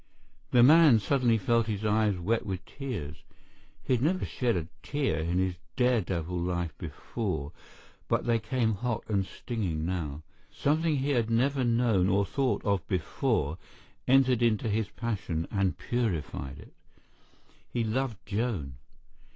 The man suddenly felt his eyes wet with tears. He had never shed a tear in his daredevil life before, but they came hot and stinging now. Something he had never known or thought of before entered into his passion and purified it. He loved Joan.